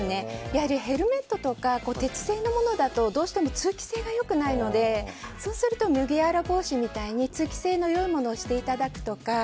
やはりヘルメットとか鉄製のものだとどうしても通気性が良くないので麦わら帽子みたいに通気性の良いものにしていただくとか